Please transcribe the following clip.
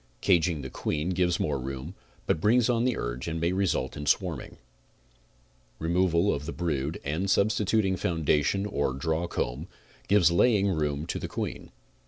Caging the queen gives more room, but brings on the urge and may result in swarming. Removal of the brood and sub stituting foundation or drawn comb gives laying room to the queen.